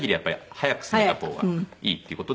速く攻めた方がいいっていう事で。